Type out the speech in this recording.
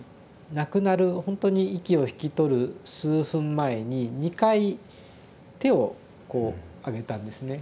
亡くなるほんとに息を引き取る数分前に２回手をこうあげたんですね。